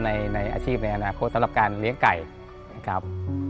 ในอาชีพในอนาคตสำหรับการเลี้ยงไก่นะครับ